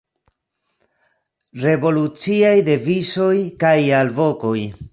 Revoluciaj devizoj kaj alvokoj.